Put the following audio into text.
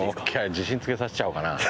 自信付けさせちゃおうかな。